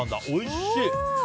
おいしい！